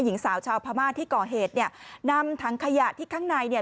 หญิงสาวชาวพม่าที่ก่อเหตุนำทางขยะที่ข้างใน